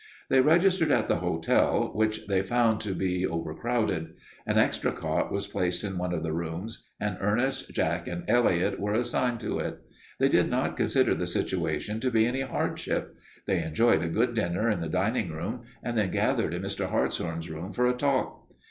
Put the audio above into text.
They registered at the hotel, which they found to be overcrowded. An extra cot was placed in one of the rooms, and Ernest, Jack, and Elliot were assigned to it. They did not consider the situation to be any hardship. They enjoyed a good dinner in the dining room and then gathered in Mr. Hartshorn's room for a talk.